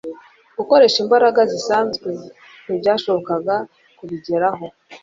Gukoresha imbaraga zisanzwe ntibyashobokaga kubigeraho,